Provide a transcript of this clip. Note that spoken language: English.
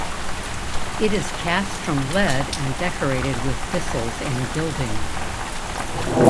It is cast from lead and decorated with thistles and gilding.